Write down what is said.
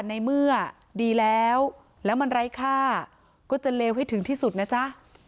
ในเมื่อดีแล้วแล้วมันไร้ค่าก็จะเลวให้ถึงที่สุดนะจ๊ะ